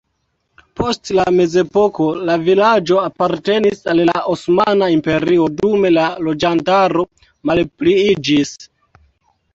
Post la mezepoko la vilaĝo apartenis al la Osmana Imperio, dume la loĝantaro malpliiĝis.